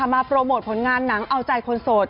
โปรโมทผลงานหนังเอาใจคนโสด